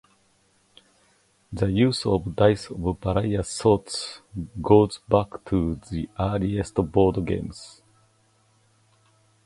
The use of dice of various sorts goes back to the earliest board games.